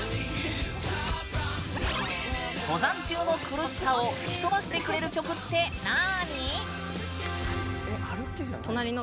登山中の苦しさを吹き飛ばしてくれる曲って何？